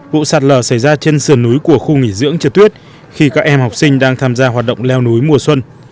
vụ sạt lở xảy ra trên sườn núi của khu nghỉ dưỡng trượt tuyết khi các em học sinh đang tham gia hoạt động leo núi mùa xuân